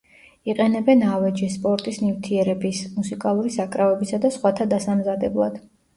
იყენებენ ავეჯის, სპორტის ნივთიერების, მუსიკალური საკრავებისა და სხვათა დასამზადებლად.